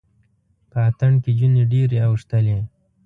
په اتڼ کې جونې ډیرې اوښتلې